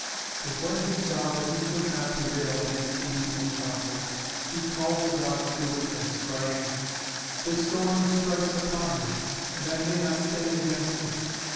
But when he saw that he could not prevail against these evil counsels, he called the Gods to witness, crying, "The storm strikes upon me, and I may not stand against it.